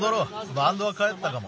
バンドはかえったかも。